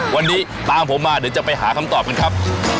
วันนี้ตามผมมาเดี๋ยวจะไปหาคำตอบกันครับ